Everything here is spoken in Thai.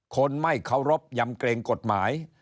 คนไม่เคารพยำเกรงกฎหมาย